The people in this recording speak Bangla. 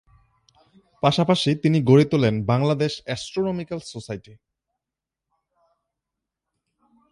পাশাপাশি তিনি গড়ে তোলেন বাংলাদেশ অ্যাস্ট্রোনমিক্যাল সোসাইটি।